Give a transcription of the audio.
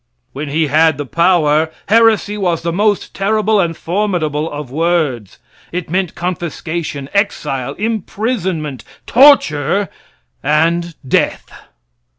When he had the power, heresy was the most terrible and formidable of words. It meant confiscation, exile, imprisonment, torture, and death.